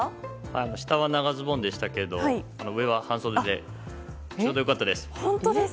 下は長ズボンでしたけど上は半袖でちょうど良かったです。